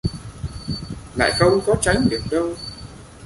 Lại không có tránh được đâu